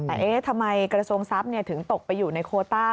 แต่เอ๊ะทำไมกระทรวงทรัพย์ถึงตกไปอยู่ในโคต้า